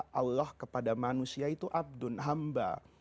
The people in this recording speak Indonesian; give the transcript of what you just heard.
kepada allah kepada manusia itu abdun hamba